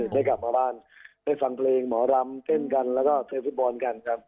ได้กลับมาบ้านได้ฟังเพลงหมอรำเต้นกันแล้วก็เทฟุตบอลกันครับ